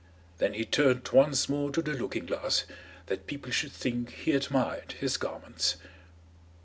Then he turned once more to the looking glass, that people should think he admired his garments.